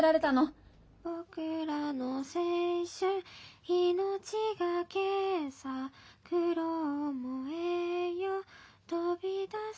「僕らの青春命がけさ苦労も栄養飛び出すぞ！！」